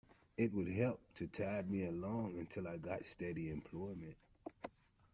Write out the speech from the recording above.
It would help to tide me along until I got steady employment.